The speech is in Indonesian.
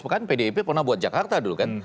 kan pdip pernah buat jakarta dulu kan